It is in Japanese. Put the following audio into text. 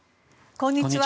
こんにちは。